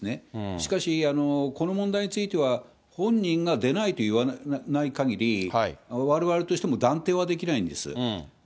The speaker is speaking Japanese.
しかしこの問題については、本人が出ないと言わないかぎり、われわれとしても断定はできないんです。